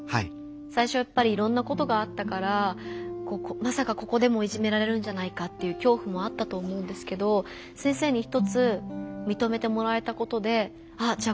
最初やっぱりいろんなことがあったからまさかここでもいじめられるんじゃないかという恐怖もあったと思うんですけど先生に一つみとめてもらえたことであっじゃあ